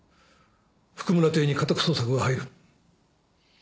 譜久村邸に家宅捜索が入る。